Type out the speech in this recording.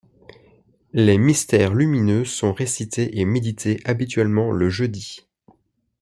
Les mystères lumineux sont récités et médités habituellement le jeudi.